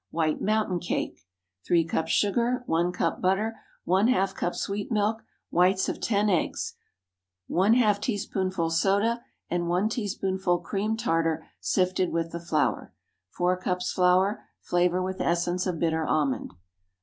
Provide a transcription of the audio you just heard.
WHITE MOUNTAIN CAKE. 3 cups sugar. 1 cup butter. ½ cup sweet milk. Whites of ten eggs. ½ teaspoonful soda, } 1 teaspoonful cream tartar,} sifted with the flour. 4 cups flour. Flavor with essence of bitter almond.